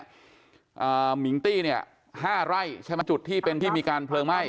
อ่ามิงตี้เนี่ยห้าไร่ใช่ไหมจุดที่เป็นที่มีการเพลิงไหม้